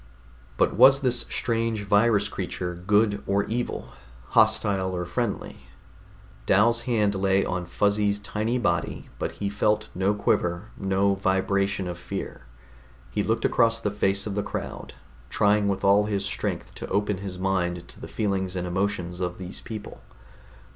But was this strange virus creature good or evil, hostile or friendly? Dal's hand lay on Fuzzy's tiny body, but he felt no quiver, no vibration of fear. He looked across the face of the crowd, trying with all his strength to open his mind to the feelings and emotions of these people.